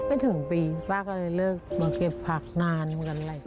ไม่ถึงปีป้าก็เลยเลิกมาเก็บผักนานเหมือนกันแหละ